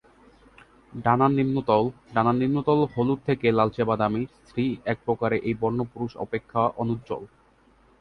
ডানার নিম্নতল: ডানার নিম্নতল হলুদ থেকে লালচে-বাদামী; স্ত্রী প্রকারে এই বর্ন পুরুষ অপেক্ষা অনুজ্জ্বল।